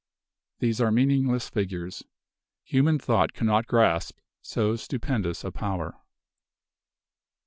These are meaningless figures. Human thought cannot grasp so stupendous a power.